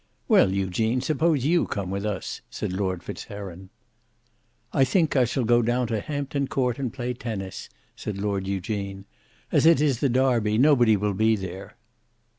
"Well, Eugene, suppose you come with us." said Lord Fitzheron. "I think I shall go down to Hampton Court and play tennis," said Lord Eugene. "As it is the Derby, nobody will be there."